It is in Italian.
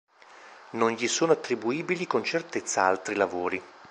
Non gli sono attribuibili con certezza altri lavori.